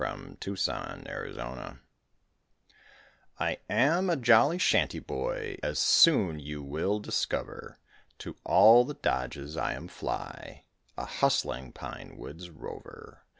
THE SHANTY BOY I am a jolly shanty boy, As you will soon discover. To all the dodges I am fly, A hustling pine woods rover.